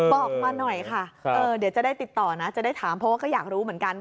บอกมาหน่อยค่ะเดี๋ยวจะได้ติดต่อนะจะได้ถามเพราะว่าก็อยากรู้เหมือนกัน